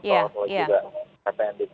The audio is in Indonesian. atau juga pt ndtt